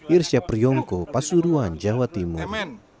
irsyap ryongko pasuruan jawa timur